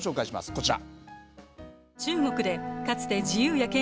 こちら。